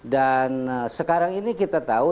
sekarang ini kita tahu